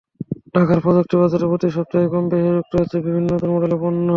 ঢাকার প্রযুক্তি বাজারে প্রতি সপ্তাহেই কমবেশি যুক্ত হচ্ছে বিভিন্ন নতুন মডেলের পণ্য।